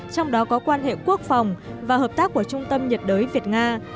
trong đó có quan hệ quốc phòng và hợp tác của trung tâm nhiệt đới việt nga